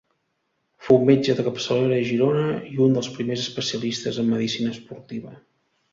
Fou metge de capçalera a Girona i un dels primers especialistes en medicina esportiva.